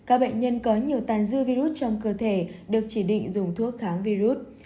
các bệnh nhân có nhiều tàn dư virus trong cơ thể được chỉ định dùng thuốc kháng virus